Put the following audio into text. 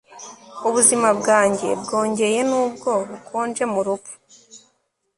ubuzima bwanjye bwongeye nubwo bukonje mu rupfu